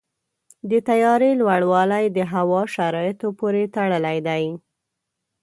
د طیارې لوړوالی د هوا شرایطو پورې تړلی دی.